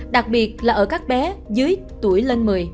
đặc biệt là ở các bé dưới tuổi lên một mươi